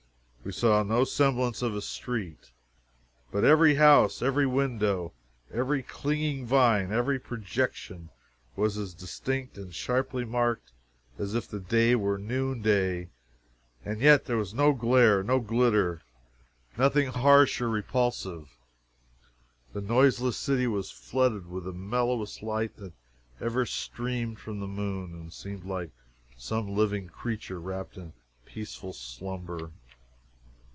We saw no semblance of a street, but every house, every window, every clinging vine, every projection was as distinct and sharply marked as if the time were noon day; and yet there was no glare, no glitter, nothing harsh or repulsive the noiseless city was flooded with the mellowest light that ever streamed from the moon, and seemed like some living creature wrapped in peaceful slumber.